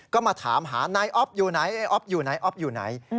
ก็มาถามหานายออฟอยู่ไหน